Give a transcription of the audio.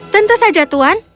tentu saja tuhan